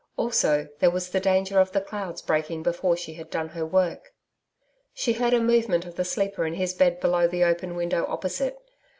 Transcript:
Also there was the danger of the clouds breaking before she had done her work. She heard a movement of the sleeper in his bed below the open window opposite.